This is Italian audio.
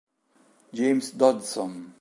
James Dodson